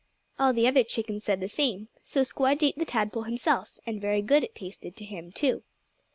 All the other chickens said the same, so Squdge ate the tadpole himself, and very good it tasted to him, too.